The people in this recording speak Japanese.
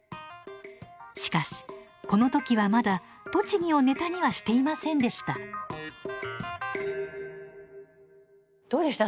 しかしこの時はまだ栃木をネタにはしていませんでしたどうでした？